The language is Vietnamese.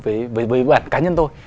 với bức ảnh cá nhân tôi